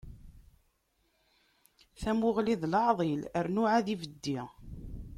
Tamuɣli d leɛḍil, rnu ɛad ibeddi.